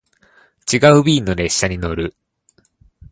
違う便の列車に乗る